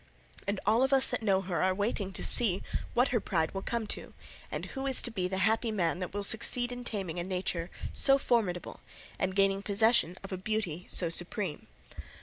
And all of us that know her are waiting to see what her pride will come to, and who is to be the happy man that will succeed in taming a nature so formidable and gaining possession of a beauty so supreme.